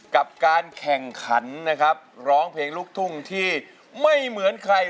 กับการแข่งขันนะครับร้องเพลงลูกทุ่งที่ไม่เหมือนใคร